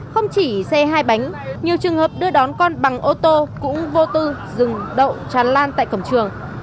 không chỉ xe hai bánh nhiều trường hợp đưa đón con bằng ô tô cũng vô tư dừng đậu tràn lan tại cổng trường